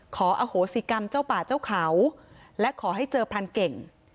ขออโหสิกรรมเจ้าป่าเจ้าเขาและขอให้เจอพรานเก่ง